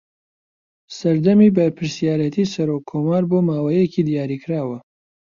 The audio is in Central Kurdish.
سەردەمی بەرپرسایەتی سەرۆککۆمار بۆ ماوەیەکی دیاریکراوە